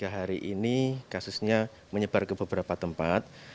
tiga hari ini kasusnya menyebar ke beberapa tempat